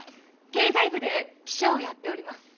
経済部で記者をやっております。